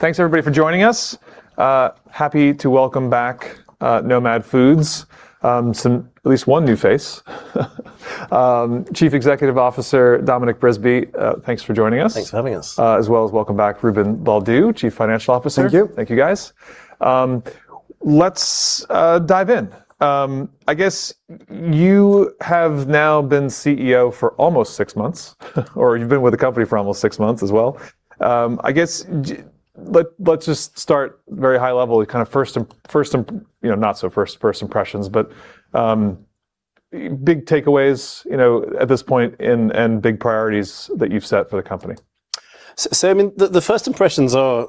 Thanks everybody for joining us. Happy to welcome back Nomad Foods. At least one new face, Chief Executive Officer, Dominic Brisby. Thanks for joining us. Thanks for having us. As well as welcome back Ruben Baldew, Chief Financial Officer. Thank you. Thank you, guys. Let's dive in. I guess you have now been CEO for almost six months, or you've been with the company for almost six months as well. I guess, let's just start very high level, kind of first, not so first impressions, but big takeaways, at this point and big priorities that you've set for the company. The first impressions are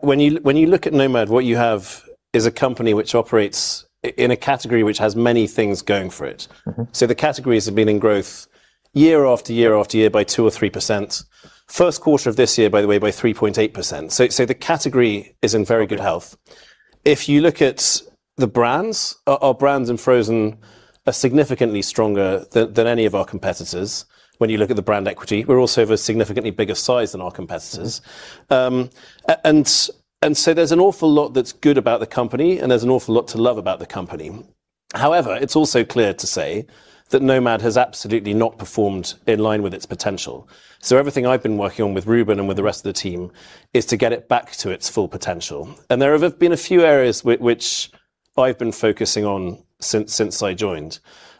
when you look at Nomad, what you have is a company which operates in a category which has many things going for it. The categories have been in growth year after year after year by two or three percent. First quarter of this year, by the way, by three point eight percent. The category is in very good health. If you look at the brands, our brands in frozen are significantly stronger than any of our competitors, when you look at the brand equity. We're also of a significantly bigger size than our competitors. There's an awful lot that's good about the company, and there's an awful lot to love about the company. However, it's also clear to say that Nomad has absolutely not performed in line with its potential. Everything I've been working on with Ruben and with the rest of the team is to get it back to its full potential. There have been a few areas which I've been focusing on since I joined.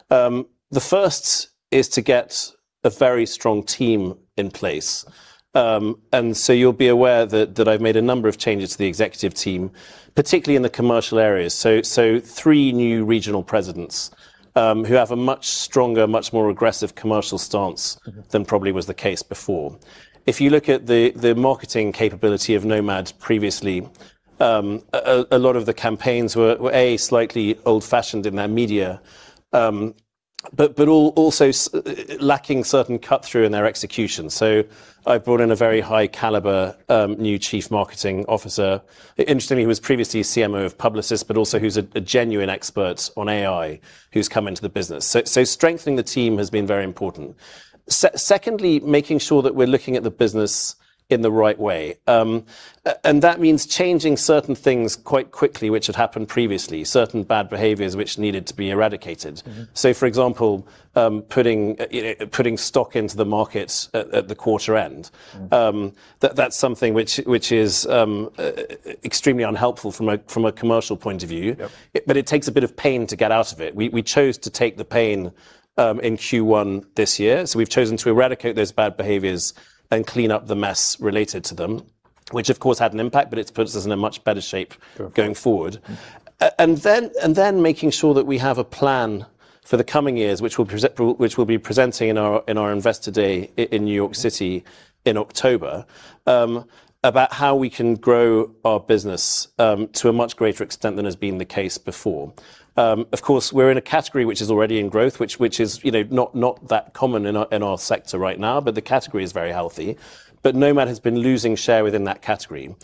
The first is to get a very strong team in place. You'll be aware that I've made a number of changes to the executive team, particularly in the commercial areas. Three new regional presidents who have a much stronger, much more aggressive commercial stance than probably was the case before. If you look at the marketing capability of Nomad previously, a lot of the campaigns were, A, slightly old-fashioned in their media, but also lacking certain cut-through in their execution. I've brought in a very high caliber new Chief Marketing Officer. Interestingly, who was previously CMO of Publicis, but also who's a genuine expert on AI, who's come into the business. Strengthening the team has been very important. Secondly, making sure that we're looking at the business in the right way. That means changing certain things quite quickly, which had happened previously, certain bad behaviors which needed to be eradicated. For example, putting stock into the market at the quarter end. That's something which is extremely unhelpful from a commercial point of view. Yep. It takes a bit of pain to get out of it. We chose to take the pain in Q1 this year. We've chosen to eradicate those bad behaviors and clean up the mess related to them, which, of course, had an impact, but it's put us in a much better shape going forward. Making sure that we have a plan for the coming years, which we'll be presenting in our Investor Day in New York City in October, about how we can grow our business to a much greater extent than has been the case before. Of course, we're in a category which is already in growth, which is not that common in our sector right now, but the category is very healthy. Nomad has been losing share within that category.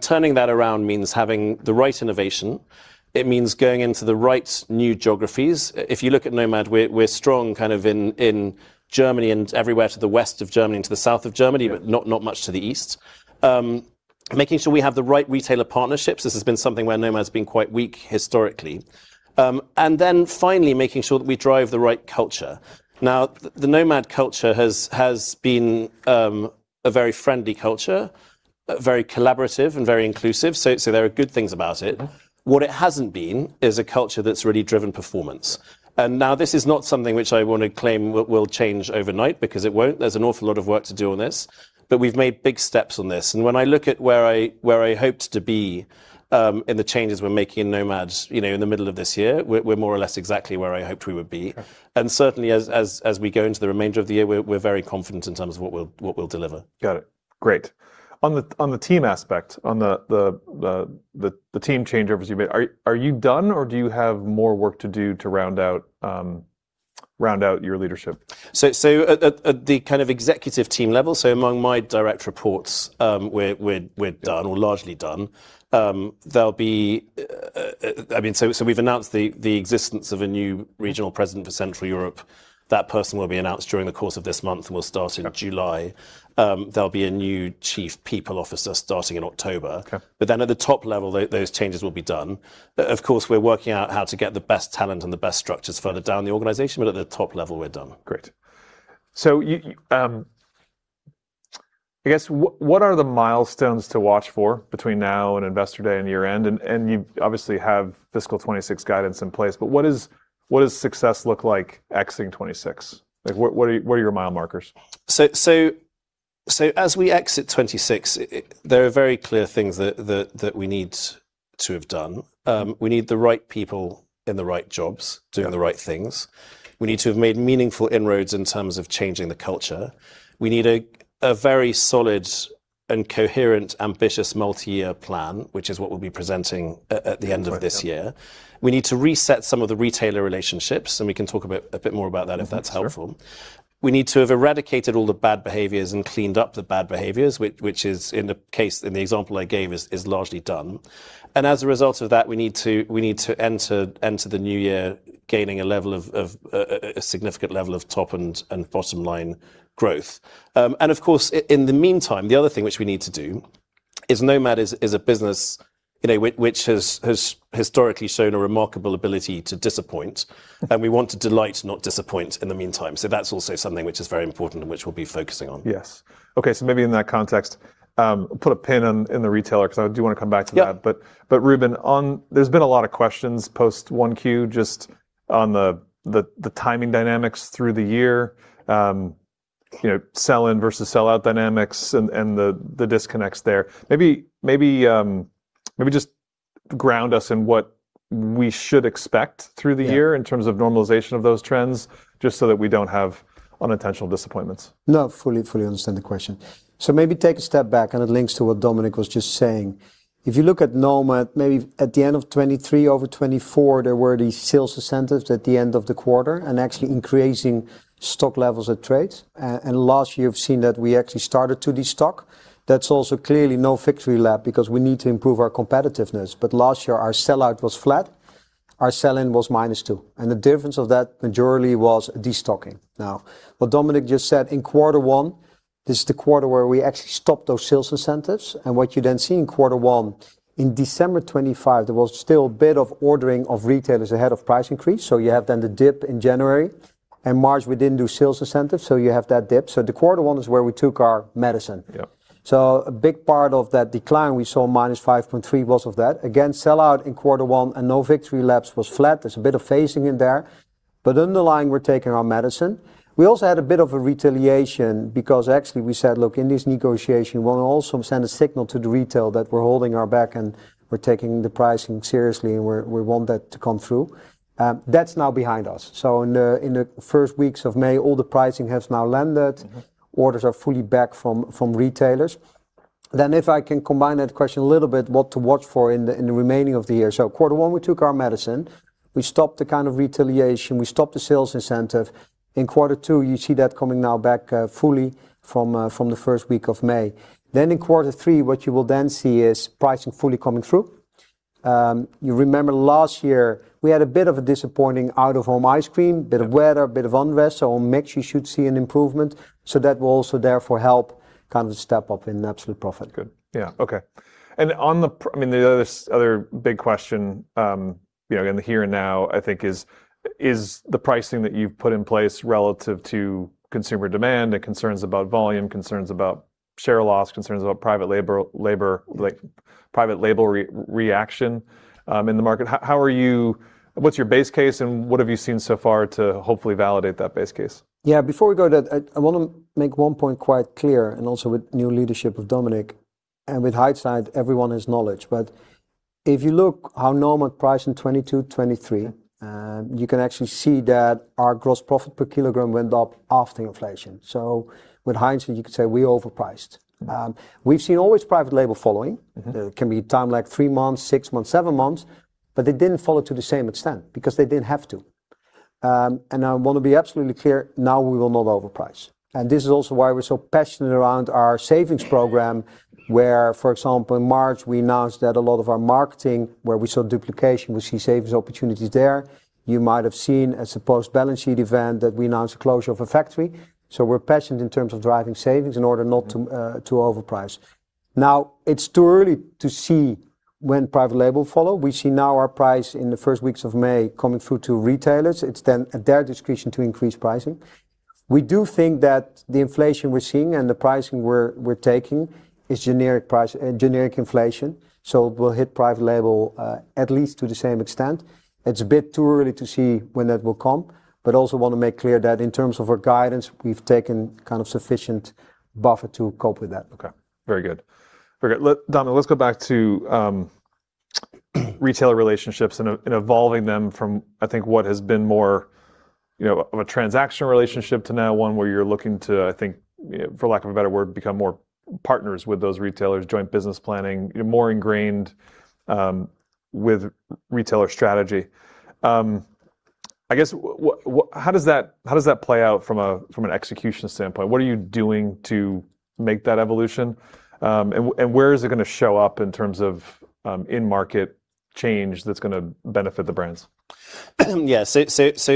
Turning that around means having the right innovation. It means going into the right new geographies. If you look at Nomad, we're strong kind of in Germany and everywhere to the west of Germany and to the south of Germany. Not much to the east. Making sure we have the right retailer partnerships. This has been something where Nomad's been quite weak historically. Finally making sure that we drive the right culture. Now, the Nomad culture has been a very friendly culture, very collaborative, and very inclusive. There are good things about it. What it hasn't been is a culture that's really driven performance. Now this is not something which I want to claim will change overnight because it won't. There's an awful lot of work to do on this, but we've made big steps on this, and when I look at where I hoped to be in the changes we're making in Nomad in the middle of this year, we're more or less exactly where I hoped we would be. Certainly as we go into the remainder of the year, we're very confident in terms of what we'll deliver. Got it. Great. On the team aspect, on the team changeovers you made, are you done, or do you have more work to do to round out your leadership? At the kind of executive team level, so among my direct reports, we're done, or largely done. We've announced the existence of a new regional president for Central Europe. That person will be announced during the course of this month and will start in July. There'll be a new Chief People Officer starting in October. At the top level, those changes will be done. Of course, we're working out how to get the best talent and the best structures further down the organization, but at the top level, we're done. Great. I guess, what are the milestones to watch for between now and Investor Day and year-end? You obviously have fiscal 2026 guidance in place, but what does success look like exiting 2026? What are your mile markers? As we exit 2026, there are very clear things that we need to have done. We need the right people in the right jobs doing the right things. We need to have made meaningful inroads in terms of changing the culture. We need a very solid and coherent, ambitious multi-year plan, which is what we'll be presenting at the end of this year. We need to reset some of the retailer relationships, and we can talk a bit more about that if that's helpful. We need to have eradicated all the bad behaviors and cleaned up the bad behaviors, which is in the example I gave, is largely done. As a result of that, we need to enter the new year gaining a significant level of top and bottom-line growth. Of course, in the meantime, the other thing which we need to do is Nomad is a business which has historically shown a remarkable ability to disappoint, and we want to delight, not disappoint, in the meantime. That's also something which is very important and which we'll be focusing on. Yes. Okay, maybe in that context, put a pin in the retailer, because I do want to come back to that. Yeah. Ruben, there's been a lot of questions post 1Q just on the timing dynamics through the year, sell in versus sell out dynamics and the disconnects there. Maybe just ground us in what we should expect through the year. in terms of normalization of those trends, just so that we don't have unintentional disappointments. No, fully understand the question. Maybe take a step back, and it links to what Dominic was just saying. If you look at Nomad, maybe at the end of 2023, over 2024, there were these sales incentives at the end of the quarter and actually increasing stock levels at trades. Last year, we've seen that we actually started to destock. That's also clearly no victory laps because we need to improve our competitiveness. Last year, our sellout was flat, our sell-in was minus two, and the difference of that majority was destocking. What Dominic just said, in quarter one, this is the quarter where we actually stopped those sales incentives, and what you then see in quarter one, in December 2025, there was still a bit of ordering of retailers ahead of price increase. You have then the dip in January. In March, we didn't do sales incentives, so you have that dip. The quarter one is where we took our medicine. A big part of that decline, we saw minus five point three, was of that. Again, sellout in quarter one and no victory laps was flat. There's a bit of phasing in there. Underlying, we're taking our medicine. We also had a bit of a retaliation because actually we said, "Look, in this negotiation, we'll also send a signal to the retail that we're holding our back and we're taking the pricing seriously, and we want that to come through." That's now behind us. In the first weeks of May, all the pricing has now landed. Orders are fully back from retailers. If I can combine that question a little bit, what to watch for in the remaining of the year. Quarter one, we took our medicine, we stopped the kind of retaliation, we stopped the sales incentive. In quarter two, you see that coming now back fully from the first week of May. In quarter three, what you will then see is pricing fully coming through. You remember last year, we had a bit of a disappointing out-of-home ice cream. Bit of weather, a bit of unrest. On mix, you should see an improvement. That will also therefore help step up in absolute profit. Good. Yeah. Okay. The other big question in the here and now, I think is the pricing that you've put in place relative to consumer demand and concerns about volume, concerns about share loss, concerns about private label reaction in the market. What's your base case, and what have you seen so far to hopefully validate that base case? Yeah. Before we go there, I want to make one point quite clear. Also with new leadership of Dominic and with hindsight, everyone has knowledge. If you look how Nomad priced in 2022, 2023 You can actually see that our gross profit per kilogram went up after inflation. With hindsight, you could say we overpriced. We've seen always private label following. There can be time like three months, six months, seven months, but they didn't follow to the same extent because they didn't have to. I want to be absolutely clear, now we will not overprice. This is also why we're so passionate around our savings program where, for example, in March, we announced that a lot of our marketing, where we saw duplication, we see savings opportunities there. You might have seen as a post-balance sheet event that we announced a closure of a factory. We're passionate in terms of driving savings in order not to overprice. Now, it's too early to see when private label follow. We see now our price in the first weeks of May coming through to retailers. It's then at their discretion to increase pricing. We do think that the inflation we're seeing and the pricing we're taking is generic inflation, so it will hit private label, at least to the same extent. It's a bit too early to see when that will come, but also want to make clear that in terms of our guidance, we've taken sufficient buffer to cope with that. Okay. Very good. Dominic, let's go back to retailer relationships and evolving them from, I think, what has been more of a transactional relationship to now one where you're looking to, I think, for lack of a better word, become more partners with those retailers, joint business planning, more ingrained with retailer strategy. I guess, how does that play out from an execution standpoint? What are you doing to make that evolution? Where is it going to show up in terms of in-market change that's going to benefit the brands? Yeah.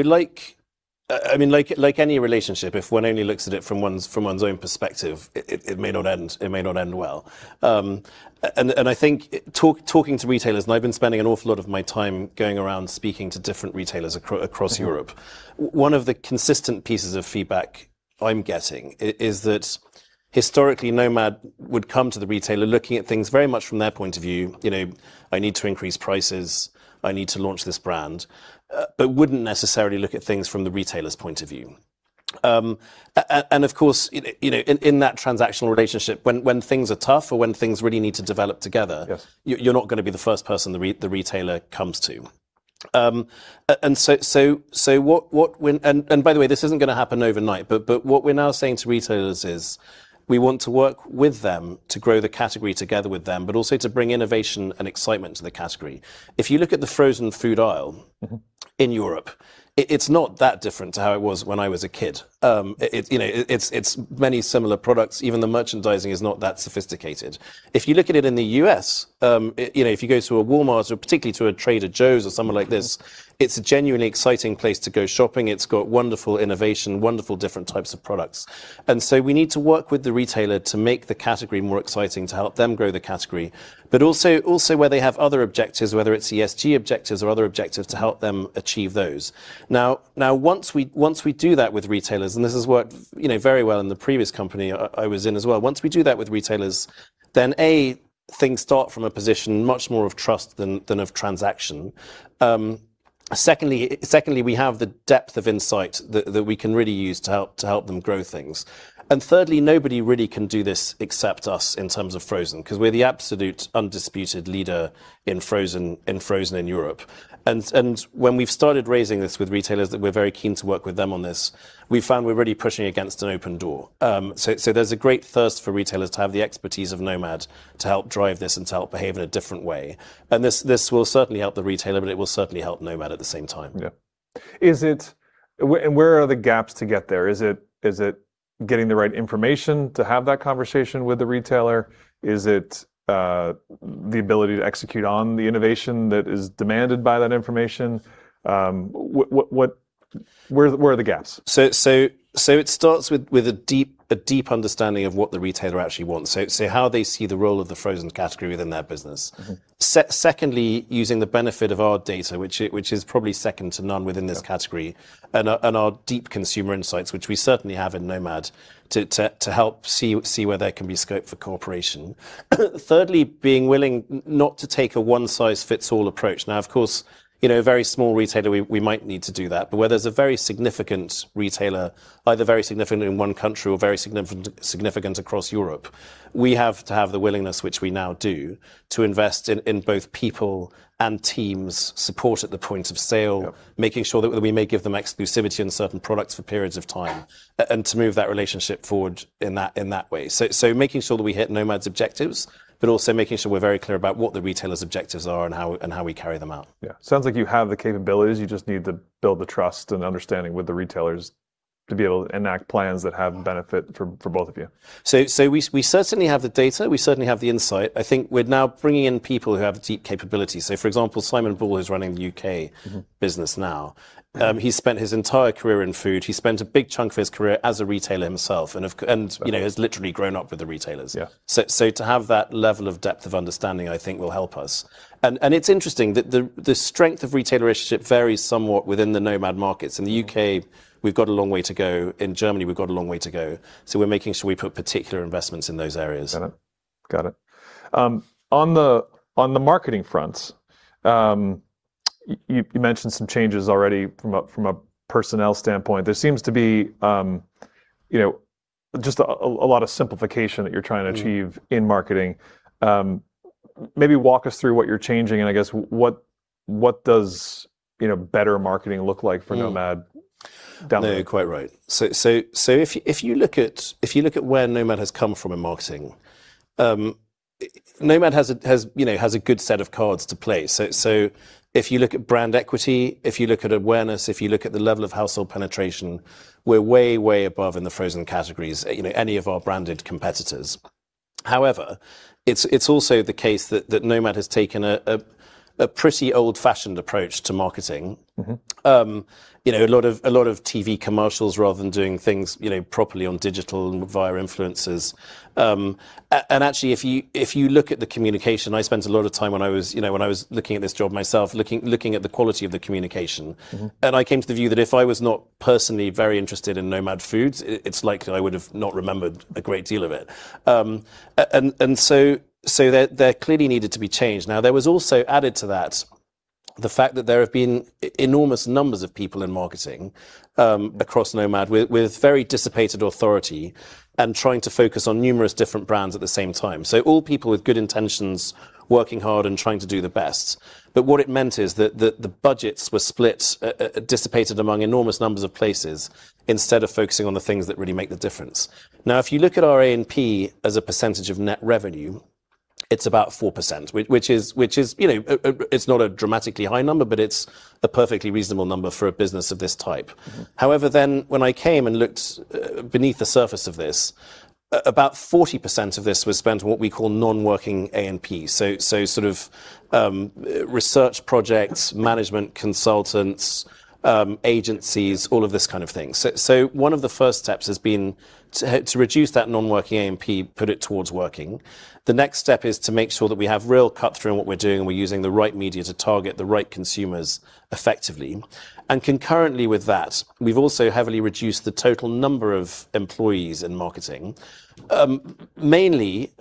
Like any relationship, if one only looks at it from one's own perspective, it may not end well. I think talking to retailers, and I've been spending an awful lot of my time going around speaking to different retailers across Europe. One of the consistent pieces of feedback I'm getting is that historically, Nomad would come to the retailer looking at things very much from their point of view, "I need to increase prices. I need to launch this brand," but wouldn't necessarily look at things from the retailer's point of view. Of course, in that transactional relationship, when things are tough or when things really need to develop together. you're not going to be the first person the retailer comes to. By the way, this isn't going to happen overnight, but what we're now saying to retailers is we want to work with them to grow the category together with them, but also to bring innovation and excitement to the category. If you look at the frozen food aisle in Europe, it's not that different to how it was when I was a kid. It's many similar products. Even the merchandising is not that sophisticated. If you look at it in the U.S., if you go to a Walmart or particularly to a Trader Joe's or somewhere like this, it's a genuinely exciting place to go shopping. It's got wonderful innovation, wonderful different types of products. We need to work with the retailer to make the category more exciting, to help them grow the category. Also where they have other objectives, whether it's ESG objectives or other objectives, to help them achieve those. Now, once we do that with retailers, and this has worked very well in the previous company I was in as well, once we do that with retailers, then A, things start from a position much more of trust than of transaction. Secondly, we have the depth of insight that we can really use to help them grow things. Thirdly, nobody really can do this except us in terms of frozen, because we're the absolute undisputed leader in frozen in Europe. When we've started raising this with retailers, that we're very keen to work with them on this, we found we're really pushing against an open door. There's a great thirst for retailers to have the expertise of Nomad to help drive this and to help behave in a different way. This will certainly help the retailer, but it will certainly help Nomad at the same time. Yeah. Where are the gaps to get there? Is it getting the right information to have that conversation with the retailer? Is it the ability to execute on the innovation that is demanded by that information? Where are the gaps? It starts with a deep understanding of what the retailer actually wants, so how they see the role of the frozen category within their business. Secondly, using the benefit of our data, which is probably second to none within this category and our deep consumer insights, which we certainly have in Nomad to help see where there can be scope for cooperation. Thirdly, being willing not to take a one-size-fits-all approach. Now, of course, a very small retailer, we might need to do that. Where there's a very significant retailer, either very significant in one country or very significant across Europe, we have to have the willingness, which we now do, to invest in both people and teams, support at the point of sale. Making sure that we may give them exclusivity on certain products for periods of time, and to move that relationship forward in that way. Making sure that we hit Nomad's objectives, but also making sure we're very clear about what the retailer's objectives are and how we carry them out. Yeah. Sounds like you have the capabilities. You just need to build the trust and understanding with the retailers to be able to enact plans that have benefit for both of you. We certainly have the data. We certainly have the insight. I think we're now bringing in people who have deep capability. For example, Simon Ball, who's running the U.K. business now. He spent his entire career in food. He spent a big chunk of his career as a retailer himself. has literally grown up with the retailers. Yeah. To have that level of depth of understanding, I think will help us. It's interesting, the strength of retailer relationship varies somewhat within the Nomad markets. In the U.K., we've got a long way to go. In Germany, we've got a long way to go. We're making sure we put particular investments in those areas. Got it. On the marketing front, you mentioned some changes already from a personnel standpoint. There seems to be just a lot of simplification that you're trying to achieve. in marketing. Maybe walk us through what you're changing, and I guess what does better marketing look like for Nomad? down the road? You're quite right. If you look at where Nomad has come from in marketing, Nomad has a good set of cards to play. If you look at brand equity, if you look at awareness, if you look at the level of household penetration, we're way above in the frozen categories any of our branded competitors. However, it's also the case that Nomad has taken a pretty old-fashioned approach to marketing. A lot of TV commercials rather than doing things properly on digital and via influencers. Actually, if you look at the communication, I spent a lot of time when I was looking at this job myself, looking at the quality of the communication. I came to the view that if I was not personally very interested in Nomad Foods, it's likely I would've not remembered a great deal of it. There clearly needed to be change. There was also added to that the fact that there have been enormous numbers of people in marketing across Nomad with very dissipated authority and trying to focus on numerous different brands at the same time. All people with good intentions, working hard and trying to do the best. What it meant is that the budgets were split, dissipated among enormous numbers of places, instead of focusing on the things that really make the difference. If you look at our A&P as a percentage of net revenue, it's about four percent, which is not a dramatically high number, but it's a perfectly reasonable number for a business of this type. When I came and looked beneath the surface of this, about 40% of this was spent on what we call non-working A&P. Sort of research projects, management consultants, agencies, all of this kind of thing. One of the first steps has been to reduce that non-working A&P, put it towards working. The next step is to make sure that we have real cut through on what we're doing, and we're using the right media to target the right consumers effectively. Concurrently with that, we've also heavily reduced the total number of employees in marketing. Mainly,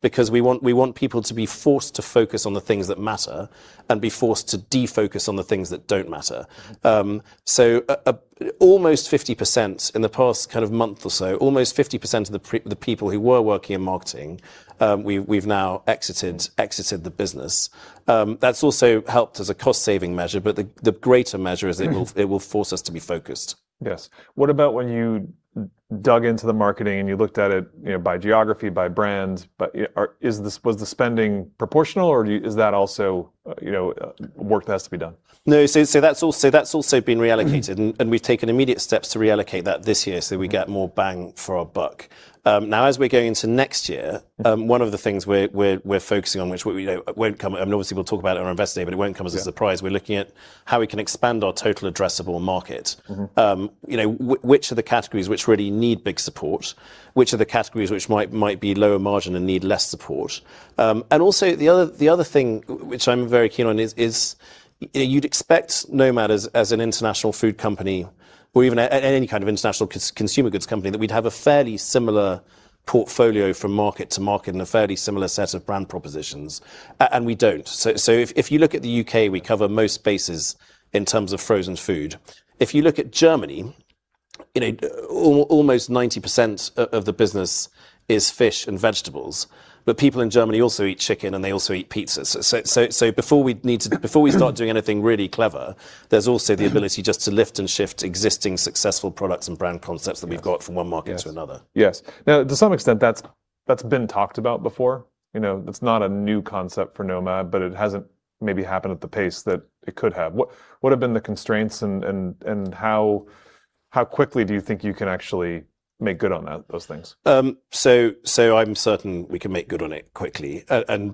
because we want people to be forced to focus on the things that matter and be forced to defocus on the things that don't matter. Almost 50% in the past month or so, almost 50% of the people who were working in marketing, we've now exited the business. That's also helped as a cost saving measure, the greater measure is it will force us to be focused. Yes. What about when you dug into the marketing and you looked at it by geography, by brand? Was the spending proportional, or is that also work that has to be done? No, that's also been reallocated. We've taken immediate steps to reallocate that this year. We get more bang for our buck. Now as we're going into next year. One of the things we're focusing on, which obviously we'll talk about on our investor day, but it won't come as a surprise. We're looking at how we can expand our total addressable market. Which of the categories which really need big support, which of the categories which might be lower margin and need less support. The other thing which I'm very keen on is you'd expect Nomad as an international food company or even any kind of international consumer goods company, that we'd have a fairly similar portfolio from market to market and a fairly similar set of brand propositions, and we don't. If you look at the U.K., we cover most bases in terms of frozen food. If you look at Germany. Almost 90% of the business is fish and vegetables. People in Germany also eat chicken. They also eat pizza. Before we start doing anything really clever, there's also the ability just to lift and shift existing successful products and brand concepts that we've got from one market to another. Yes. Now, to some extent, that's been talked about before. That's not a new concept for Nomad, but it hasn't maybe happened at the pace that it could have. What have been the constraints, and how quickly do you think you can actually make good on those things? I'm certain we can make good on it quickly.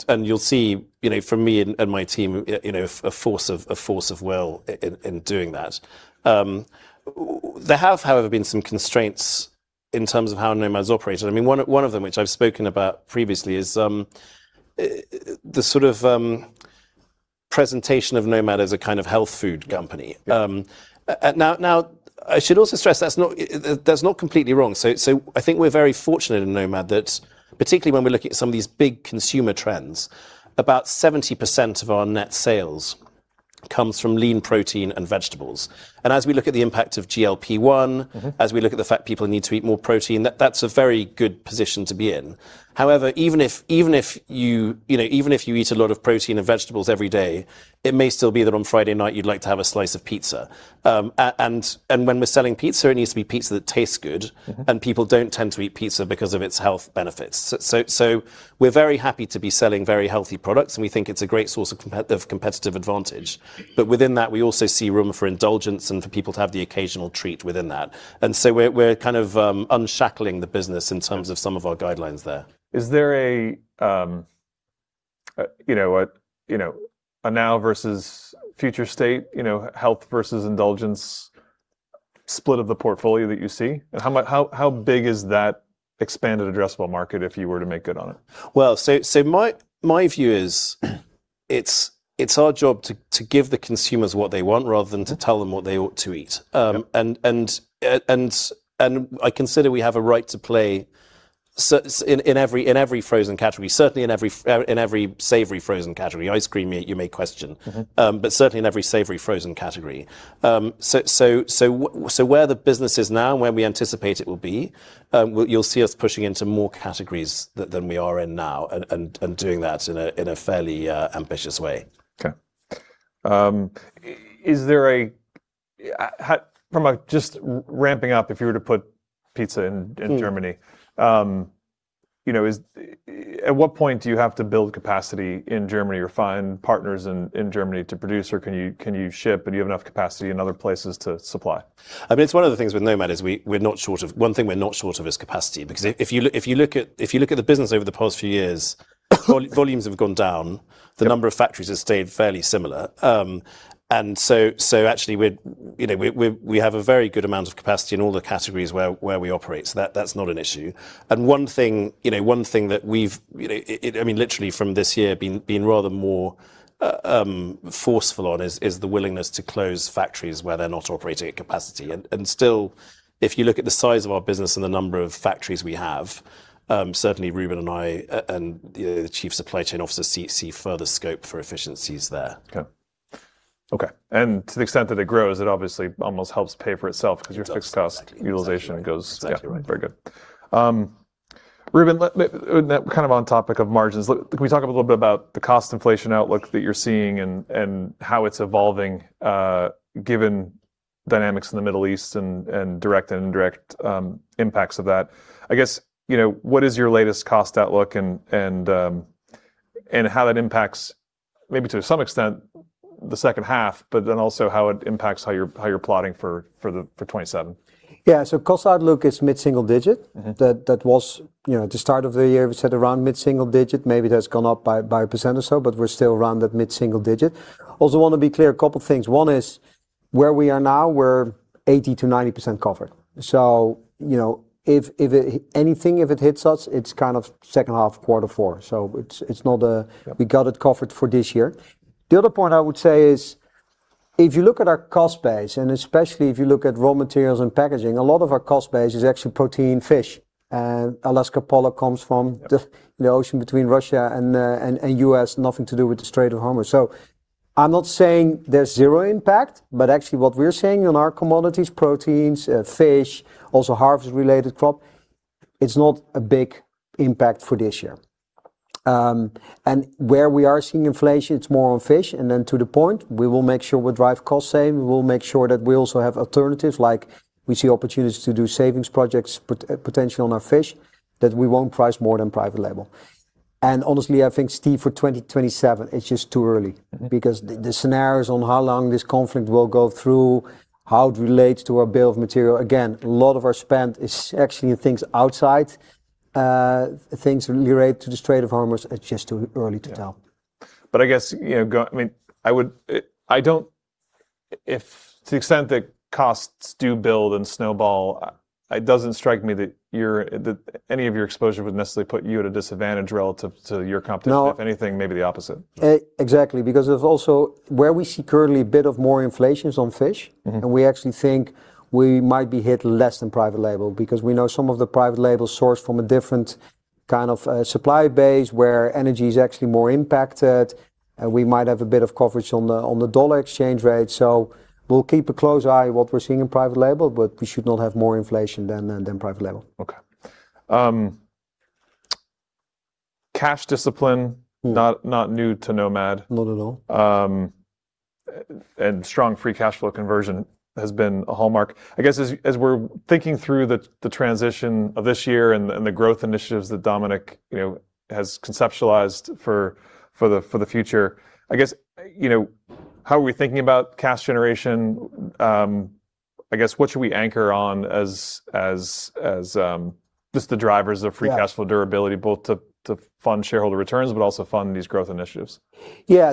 You'll see from me and my team, a force of will in doing that. There have, however, been some constraints in terms of how Nomad's operated. One of them, which I've spoken about previously, is the sort of presentation of Nomad as a kind of health food company. I should also stress that's not completely wrong. I think we're very fortunate in Nomad that, particularly when we're looking at some of these big consumer trends, about 70% of our net sales comes from lean protein and vegetables. As we look at the impact of GLP-1 as we look at the fact people need to eat more protein, that's a very good position to be in. However, even if you eat a lot of protein and vegetables every day, it may still be that on Friday night you'd like to have a slice of pizza. When we're selling pizza, it needs to be pizza that tastes good. People don't tend to eat pizza because of its health benefits. We're very happy to be selling very healthy products, and we think it's a great source of competitive advantage. Within that, we also see room for indulgence and for people to have the occasional treat within that. We're kind of unshackling the business in terms of some of our guidelines there. Is there a now versus future state, health versus indulgence split of the portfolio that you see? How big is that expanded addressable market if you were to make good on it? My view is, it's our job to give the consumers what they want rather than to tell them what they ought to eat. I consider we have a right to play in every frozen category, certainly in every savory frozen category. Ice cream, you may question. Certainly in every savory frozen category. Where the business is now and where we anticipate it will be, you'll see us pushing into more categories than we are in now and doing that in a fairly ambitious way. Okay. From a just ramping up, if you were to put pizza in Germany. At what point do you have to build capacity in Germany or find partners in Germany to produce, or can you ship, and you have enough capacity in other places to supply? It's one of the things with Nomad is one thing we're not short of is capacity. Because if you look at the business over the past few years, volumes have gone down. the number of factories has stayed fairly similar. Actually, we have a very good amount of capacity in all the categories where we operate, so that's not an issue. One thing that we've, literally from this year, been rather more forceful on is the willingness to close factories where they're not operating at capacity. Still, if you look at the size of our business and the number of factories we have, certainly Ruben and I, and the Chief Supply Chain Officer see further scope for efficiencies there. Okay. Okay. To the extent that it grows, it obviously almost helps pay for itself because your fixed cost utilization goes. Exactly right. yeah, very good. Ruben, on topic of margins, can we talk a little bit about the cost inflation outlook that you're seeing and how it's evolving, given dynamics in the Middle East and direct and indirect impacts of that? I guess, what is your latest cost outlook and how that impacts maybe to some extent the second half, but then also how it impacts how you're plotting for 2027? Yeah. Cost outlook is mid-single digit. At the start of the year, we said around mid-single digit. Maybe it has gone up by one percent or so, but we're still around that mid-single digit. Also want to be clear, a couple things. One is where we are now, we're 80% to 90% covered. If anything, if it hits us, it's kind of second half of quarter four. We got it covered for this year. The other point I would say is, if you look at our cost base, and especially if you look at raw materials and packaging, a lot of our cost base is actually protein fish. Alaska pollock comes from. the ocean between Russia and the U.S., nothing to do with the Strait of Hormuz. I'm not saying there's zero impact, but actually what we're saying on our commodities, proteins, fish, also harvest-related crop, it's not a big impact for this year. Where we are seeing inflation, it's more on fish. To the point, we will make sure we drive costs down. We will make sure that we also have alternatives, like we see opportunities to do savings projects, potentially on our fish, that we won't price more than private label. Honestly, I think, Steve, for 2027, it's just too early. Because the scenarios on how long this conflict will go through, how it relates to our bill of material, again, a lot of our spend is actually in things outside, things related to the Strait of Hormuz. It is just too early to tell. Yeah. I guess, to the extent that costs do build and snowball, it doesn't strike me that any of your exposure would necessarily put you at a disadvantage relative to your competitors. No. If anything, maybe the opposite. Exactly, because there's also, where we see currently a bit of more inflation is on fish. We actually think we might be hit less than private label, because we know some of the private label is sourced from a different kind of supply base where energy is actually more impacted, and we might have a bit of coverage on the dollar exchange rate. We'll keep a close eye on what we're seeing in private label, but we should not have more inflation than private label. Okay. Cash discipline not new to Nomad. Not at all. Strong free cash flow conversion has been a hallmark. I guess, as we're thinking through the transition of this year and the growth initiatives that Dominic has conceptualized for the future, I guess, how are we thinking about cash generation? I guess, what should we anchor on as just the drivers of free cash flow durability, both to fund shareholder returns, but also fund these growth initiatives? Yeah.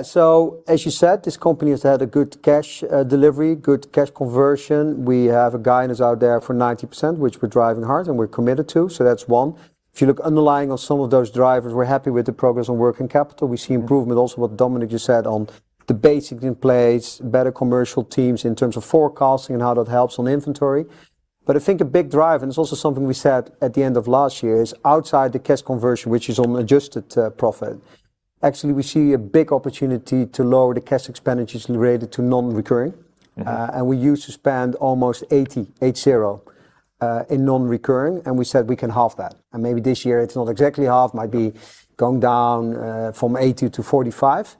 As you said, this company has had a good cash delivery, good cash conversion. We have a guidance out there for 90%, which we're driving hard and we're committed to, so that's one. If you look underlying on some of those drivers, we're happy with the progress on working capital. We see improvement also what Dominic just said on the basics in place, better commercial teams in terms of forecasting and how that helps on inventory. I think a big driver, and it's also something we said at the end of last year, is outside the cash conversion, which is on adjusted profit. Actually, we see a big opportunity to lower the cash expenditures related to non-recurring. We used to spend almost 80 in non-working A&P, and we said we can halve that. Maybe this year it's not exactly half, might be going down from 80 to 45,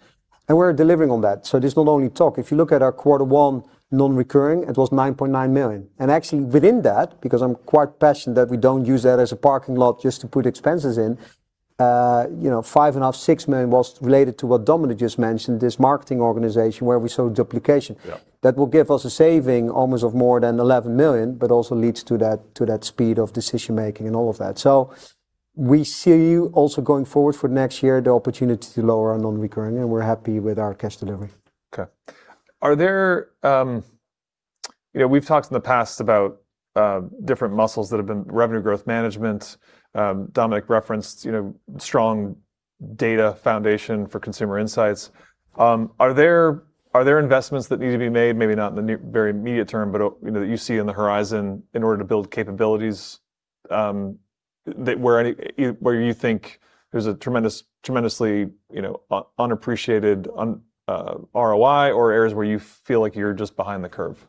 and we're delivering on that. There's not only talk. If you look at our quarter one non-working A&P, it was 9.9 million. Actually, within that, because I'm quite passionate that we don't use that as a parking lot just to put expenses in, 5.5 million, 6 million was related to what Dominic just mentioned, this marketing organization where we saw duplication. That will give us a saving almost of more than 11 million, but also leads to that speed of decision-making and all of that. We see also going forward for next year, the opportunity to lower our non-recurring, and we're happy with our cash delivery. Okay. We've talked in the past about different muscles that have been revenue growth management. Dominic referenced strong data foundation for consumer insights. Are there investments that need to be made, maybe not in the very immediate term, but that you see on the horizon in order to build capabilities, where you think there's a tremendously unappreciated ROI or areas where you feel like you're just behind the curve?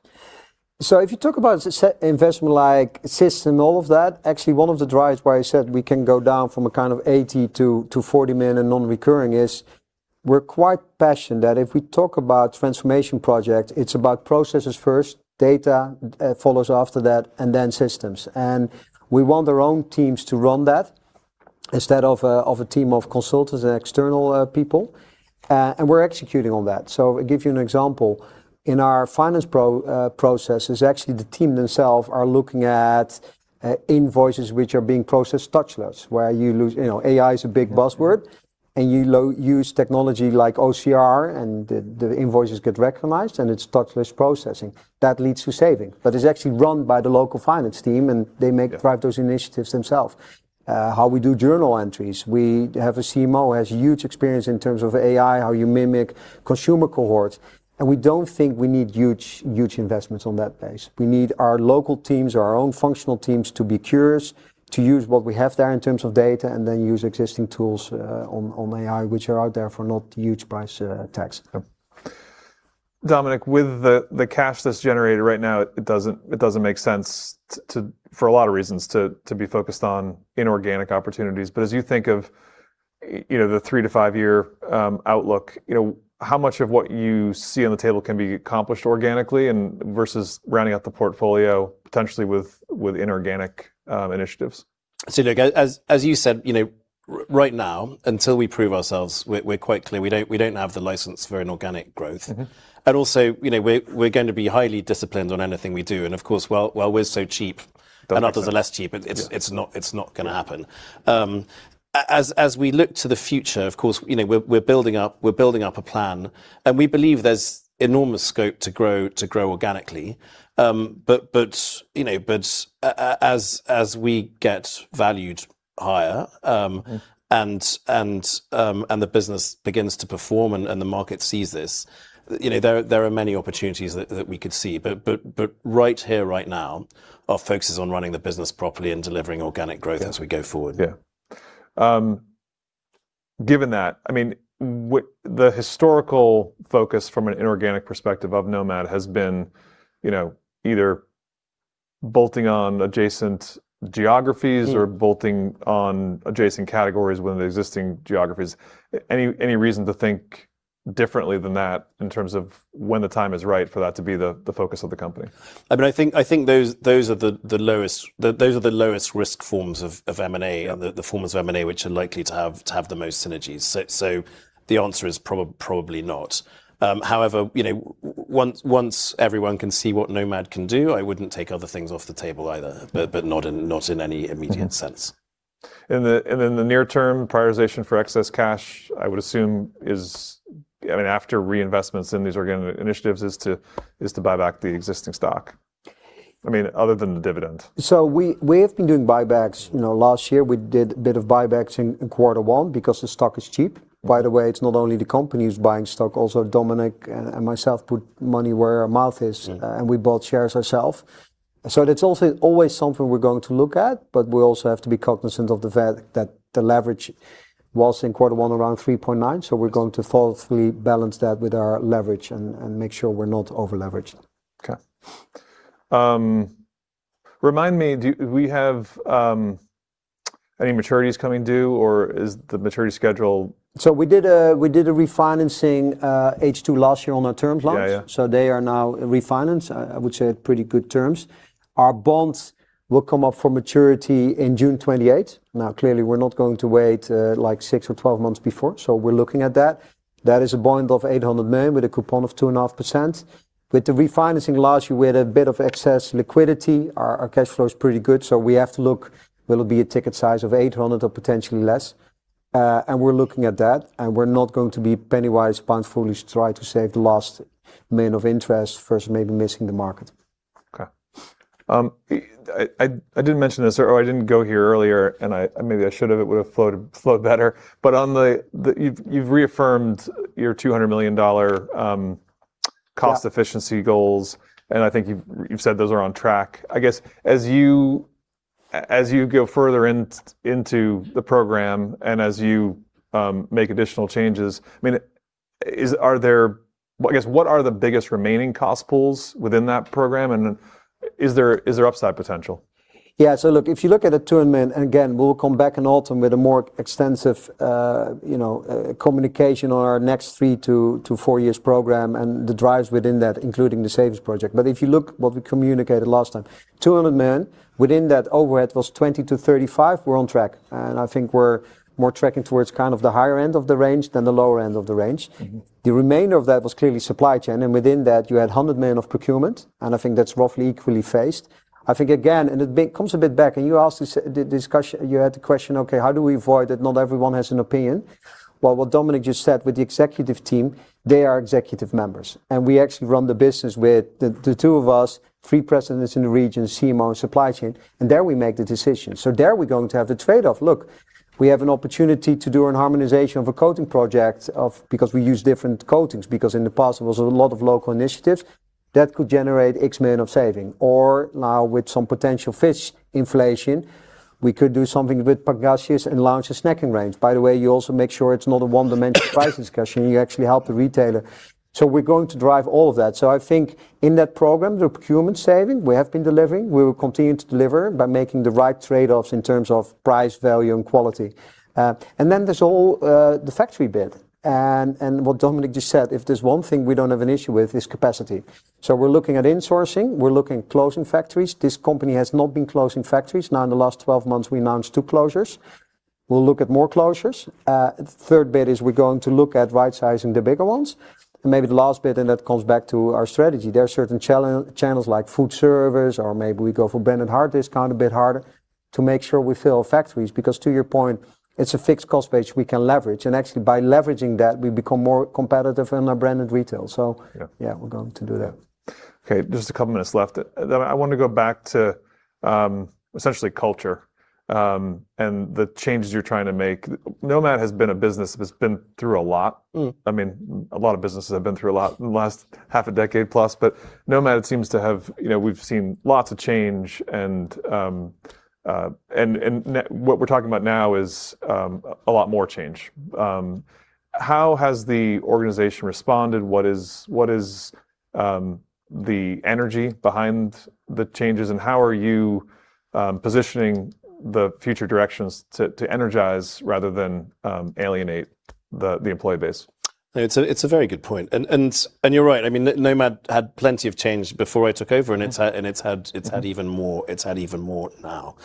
If you talk about investment like systems and all of that, actually, one of the drivers why I said we can go down from a kind of 80 million to 40 million in non-recurring is we're quite passionate that if we talk about transformation projects, it's about processes first, data follows after that, and then systems. We want our own teams to run that instead of a team of consultants and external people. We're executing on that. I'll give you an example. In our finance processes, actually, the team themselves are looking at invoices which are being processed touchless, where AI is a big buzzword You use technology like OCR and the invoices get recognized, and it's touchless processing. That leads to saving. It's actually run by the local finance team, and they make drive those initiatives themselves. How we do journal entries. We have a CMO, has huge experience in terms of AI, how you mimic consumer cohorts, we don't think we need huge investments on that base. We need our local teams or our own functional teams to be curious, to use what we have there in terms of data, then use existing tools on AI, which are out there for not huge price tags. Okay. Dominic, with the cash that's generated right now, it doesn't make sense, for a lot of reasons, to be focused on inorganic opportunities. As you think of the three- to five-year outlook, how much of what you see on the table can be accomplished organically and versus rounding out the portfolio potentially with inorganic initiatives? Look, as you said, right now, until we prove ourselves, we're quite clear we don't have the license for inorganic growth. Also, we're going to be highly disciplined on anything we do, and of course, while we're so cheap. Don't make sense. Others are less cheap. it's not going to happen. As we look to the future, of course, we're building up a plan, and we believe there's enormous scope to grow organically. As we get valued higher- The business begins to perform and the market sees this, there are many opportunities that we could see. Right here, right now, our focus is on running the business properly and delivering organic growth. as we go forward. Yeah. Given that, the historical focus from an inorganic perspective of Nomad has been either bolting on adjacent geographies bolting on adjacent categories within the existing geographies. Any reason to think differently than that in terms of when the time is right for that to be the focus of the company? I think those are the lowest risk forms of M&A. the forms of M&A which are likely to have the most synergies. The answer is probably not. However, once everyone can see what Nomad can do, I wouldn't take other things off the table either. Not in any immediate sense. In the near term, prioritization for excess cash, I would assume is, after reinvestments in these organic initiatives, is to buy back the existing stock, other than the dividend. We have been doing buybacks. Last year we did a bit of buybacks in quarter one because the stock is cheap. By the way, it's not only the company who's buying stock, also Dominic and myself put money where our mouth is. We bought shares ourself. That's also always something we're going to look at, but we also have to be cognizant of the fact that the leverage was, in quarter one, around three point nine, so we're going to thoughtfully balance that with our leverage and make sure we're not over-leveraged. Okay. Remind me, do we have any maturities coming due, or is the maturity schedule? We did a refinancing H2 last year on our term loans. Yeah. They are now refinanced, I would say, at pretty good terms. Our bonds will come up for maturity in June 2028. Clearly, we're not going to wait six or 12 months before. We're looking at that. That is a bond of 800 million with a coupon of two and a half percent. With the refinancing last year, we had a bit of excess liquidity. Our cash flow's pretty good, so we have to look, will it be a ticket size of 800 or potentially less? We're looking at that, and we're not going to be penny-wise, pound-foolish to try to save the last EUR 1 million of interest versus maybe missing the market. Okay. I didn't mention this earlier, or I didn't go here earlier, and maybe I should've. It would've flowed better. You've reaffirmed your EUR 200 million cost efficiency goals, and I think you've said those are on track. I guess, as you go further into the program, and as you make additional changes, I guess, what are the biggest remaining cost pools within that program, and then is there upside potential? Look, if you look at the EUR 200 million, again, we will come back in autumn with a more extensive communication on our next three to four years' program and the drives within that, including the savings project. If you look what we communicated last time, 200 million. Within that overhead was 20 million to 35 million, we're on track, and I think we're more tracking towards kind of the higher end of the range than the lower end of the range. The remainder of that was clearly supply chain, and within that, you had 100 million of procurement, and I think that's roughly equally faced. I think, again, and it comes a bit back. You had the question, "Okay, how do we avoid that not everyone has an opinion?" Well, what Dominic just said with the executive team, they are executive members, and we actually run the business with the two of us, three presidents in the region, CMO, and supply chain, and there, we make the decisions. There, we're going to have the trade-off. Look, we have an opportunity to do a harmonization of a coating project, because we use different coatings, because in the past there was a lot of local initiatives. That could generate EUR X million of saving. Now, with some potential fish inflation, we could do something with pangasius and launch a snacking range. By the way, you also make sure it's not a one-dimensional price discussion. You actually help the retailer. We're going to drive all of that. I think in that program, the procurement saving, we have been delivering. We will continue to deliver by making the right trade-offs in terms of price, value, and quality. Then there's the factory bit, and what Dominic just said, if there's one thing we don't have an issue with, it's capacity. We're looking at insourcing. We're looking at closing factories. This company has not been closing factories. Now, in the last 12 months, we announced two closures. We'll look at more closures. Third bit is we're going to look at rightsizing the bigger ones. Maybe the last bit, and that comes back to our strategy, there are certain channels like food service, or maybe we go for branded hard discount a bit harder to make sure we fill factories, because to your point, it's a fixed cost base we can leverage. Actually, by leveraging that, we become more competitive in our branded retail. Yeah, we're going to do that. Okay, just a couple minutes left. I want to go back to, essentially, culture and the changes you're trying to make. Nomad has been a business that's been through a lot. A lot of businesses have been through a lot in the last half a decade plus. We've seen lots of change, and what we're talking about now is a lot more change. How has the organization responded? What is the energy behind the changes, and how are you positioning the future directions to energize rather than alienate the employee base? It's a very good point. You're right. Nomad had plenty of change before I took over, and it's had even more now.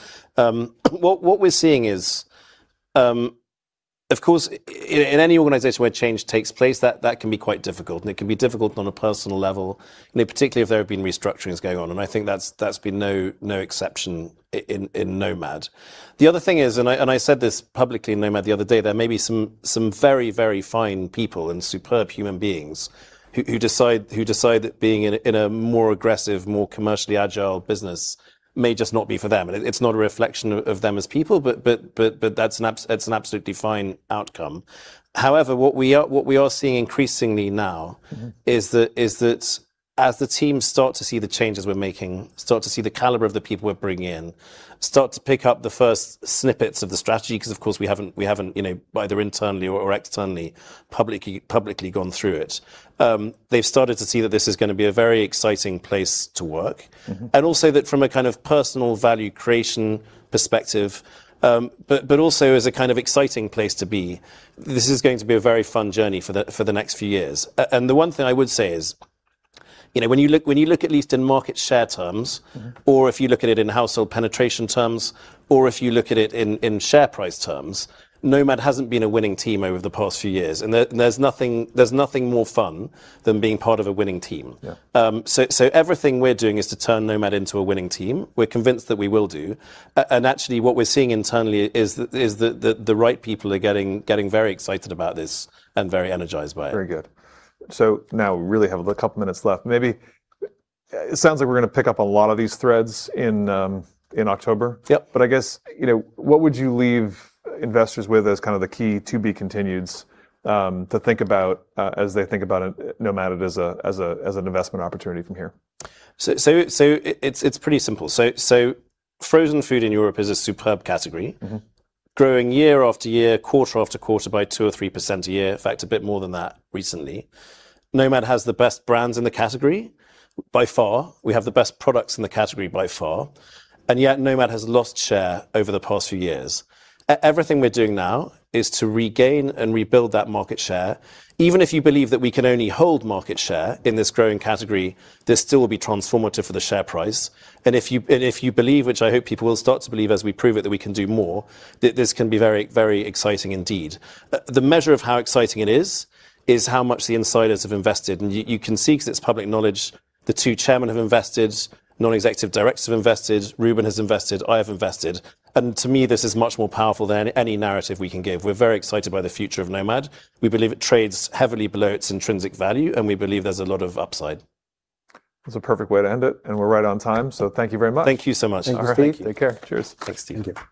What we're seeing is, of course, in any organization where change takes place, that can be quite difficult, and it can be difficult on a personal level, particularly if there have been restructurings going on, and I think that's been no exception in Nomad. The other thing is, and I said this publicly in Nomad the other day, there may be some very, very fine people and superb human beings who decide that being in a more aggressive, more commercially agile business may just not be for them. It's not a reflection of them as people, but that's an absolutely fine outcome. However, what we are seeing increasingly now. is that as the teams start to see the changes we're making, start to see the caliber of the people we're bringing in, start to pick up the first snippets of the strategy, because of course we haven't, either internally or externally, publicly gone through it, they've started to see that this is going to be a very exciting place to work. Also that from a kind of personal value creation perspective, but also as a kind of exciting place to be, this is going to be a very fun journey for the next few years. The one thing I would say is when you look, at least in market share terms. or if you look at it in household penetration terms, or if you look at it in share price terms, Nomad hasn't been a winning team over the past few years. There's nothing more fun than being part of a winning team. Everything we're doing is to turn Nomad into a winning team. We're convinced that we will do. Actually, what we're seeing internally is that the right people are getting very excited about this and very energized by it. Very good. Now we really have two minutes left. It sounds like we're going to pick up a lot of these threads in October. I guess, what would you leave investors with as kind of the key to-be-continueds to think about as they think about Nomad as an investment opportunity from here? It's pretty simple. Frozen food in Europe is a superb category. Growing year after year, quarter after quarter, by two or three percent a year. In fact, a bit more than that recently. Nomad has the best brands in the category by far. We have the best products in the category by far. Yet Nomad has lost share over the past few years. Everything we're doing now is to regain and rebuild that market share. Even if you believe that we can only hold market share in this growing category, this still will be transformative for the share price. If you believe, which I hope people will start to believe as we prove it, that we can do more, this can be very exciting indeed. The measure of how exciting it is is how much the insiders have invested. You can see, because it's public knowledge, the two chairmen have invested, non-executive directors have invested, Ruben has invested, I have invested. To me, this is much more powerful than any narrative we can give. We're very excited by the future of Nomad. We believe it trades heavily below its intrinsic value, and we believe there's a lot of upside. That's a perfect way to end it, and we're right on time, so thank you very much. Thank you so much. Thank you, Steve. Take care. Cheers.